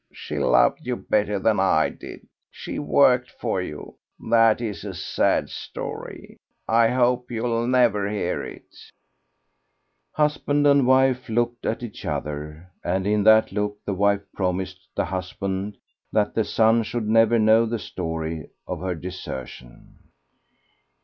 She loved you better than I did. She worked for you that is a sad story. I hope you'll never hear it." Husband and wife looked at each other, and in that look the wife promised the husband that the son should never know the story of her desertion.